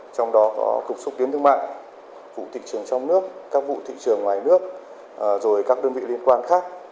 trong đó có cục xúc tiến thương mại vụ thị trường trong nước các vụ thị trường ngoài nước rồi các đơn vị liên quan khác